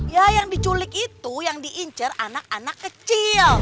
ya yang diculik itu yang diincar anak anak kecil